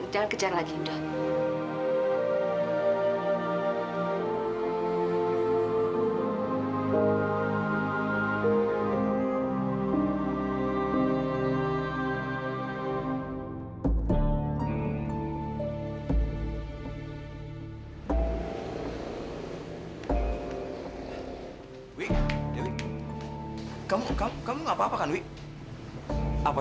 beneran aku gak apa apa